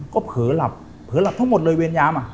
ก็เผลอหลับเผลอหลับทั้งหมดเลยเวรยามา